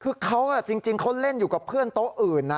คือเขาจริงเขาเล่นอยู่กับเพื่อนโต๊ะอื่นนะ